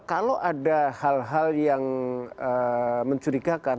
kalau ada hal hal yang mencurigakan